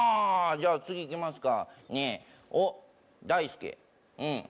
じゃあ次いきますか。